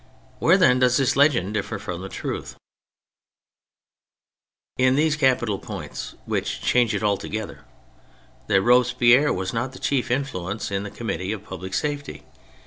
Where, then, does the legend differ from the truth ? In these capital points, which change it altogether : that Robespierre was not the chief influence in the Committee of Public Safety, i.